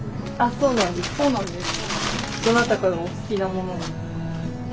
そうなんです。